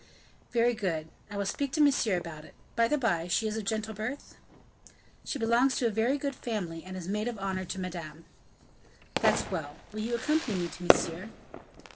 "Very good. I will speak to Monsieur about it. By the by, she is of gentle birth?" "She belongs to a very good family and is maid of honor to Madame." "That's well. Will you accompany me to Monsieur?"